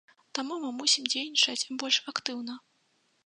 Таму мы мусім дзейнічаць больш актыўна.